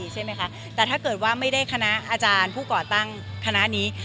ใช่ไหมคะแต่ถ้าเกิดว่าไม่ได้คณะอาจารย์ผู้ก่อตั้งคณะนี้